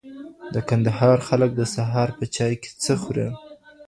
د کندهار خلګ د سهار په چای کي څه خوري؟